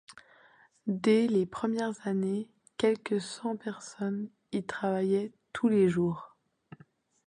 Dès les premières années, quelque cent personnes y travaillaient tous les jours.